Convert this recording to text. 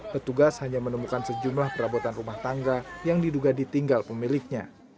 petugas hanya menemukan sejumlah perabotan rumah tangga yang diduga ditinggal pemiliknya